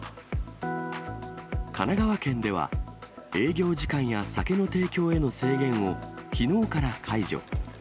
神奈川県では、営業時間や酒の提供への制限をきのうから解除。